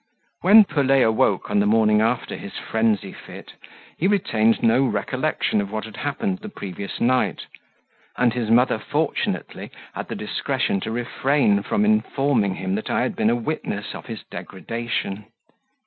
When Pelet awoke on the morning after his frenzy fit, he retained no recollection of what had happened the previous night, and his mother fortunately had the discretion to refrain from informing him that I had been a witness of his degradation.